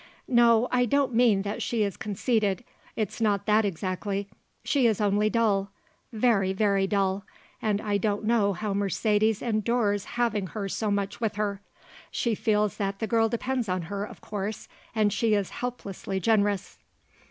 No; I don't mean that she is conceited; it's not that exactly; she is only dull; very, very dull; and I don't know how Mercedes endures having her so much with her. She feels that the girl depends on her, of course, and she is helplessly generous."